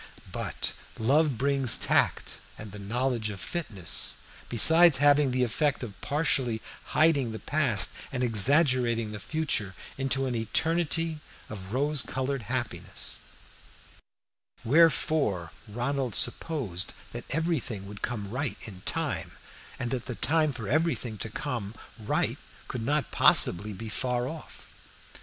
But love brings tact and the knowledge of fitness, besides having the effect of partially hiding the past and exaggerating the future into an eternity of rose colored happiness; wherefore Ronald supposed that everything would come right in time, and that the time for everything to come right could not possibly be very far off.